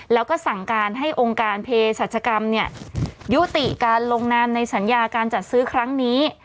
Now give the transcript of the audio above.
แล้วก็สั่งการให้องค์การเพศรัชกรรมยุติการลงนามในสัญญาการจัดซื้อครั้งนี้